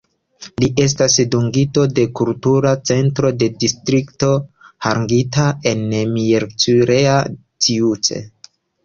Li estas dungito de Kultura Centro de Distrikto Harghita en Miercurea Ciuc.